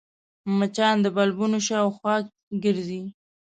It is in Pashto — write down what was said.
مچان د بلبونو شاوخوا ګرځي